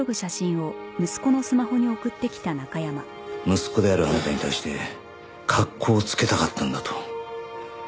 息子であるあなたに対して格好をつけたかったんだと。